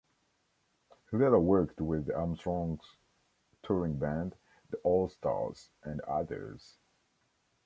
He later worked with Armstrong's touring band, the All Stars, and others.